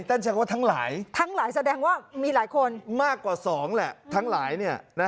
ท่านแช่งว่าทั้งหลายมากกว่า๒แหละทั้งหลายเนี่ย